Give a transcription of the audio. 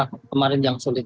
apa kemarin yang sulit